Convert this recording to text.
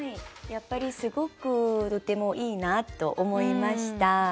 やっぱりすごくとてもいいなと思いました。